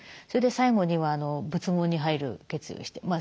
それで最後には仏門に入る決意をして。